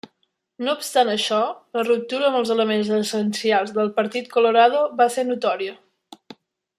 No obstant això, la ruptura amb els elements essencials del Partit Colorado va ser notòria.